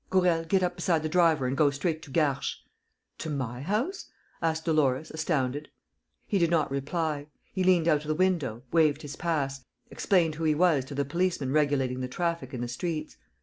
"Gourel, get up beside the driver and go straight to Garches." "To my house?" asked Dolores, astounded. He did not reply. He leant out of the window, waved his pass, explained who he was to the policeman regulating the traffic in the streets.